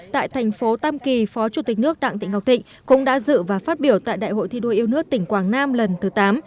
tại thành phố tam kỳ phó chủ tịch nước đặng thị ngọc thịnh cũng đã dự và phát biểu tại đại hội thi đua yêu nước tỉnh quảng nam lần thứ tám